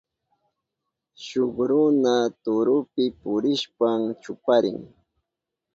Shuk runa turupi purishpan chuparin.